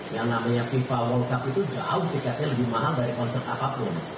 yang namanya fifa world cup itu jauh tiketnya lebih mahal dari konser apapun